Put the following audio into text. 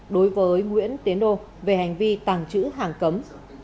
đối với nguyễn tiến đô về hành vi tàng trữ hàng cấm